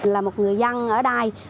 là một người dân ở đây